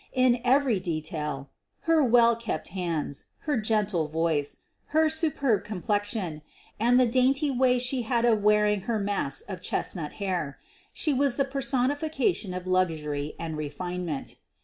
In every detail — her well kept hands, her gentle voice, her superb complexion, and the dainty way she had of wearing her mass of chestnut hair — she was the personifica tion of luxury and refinement.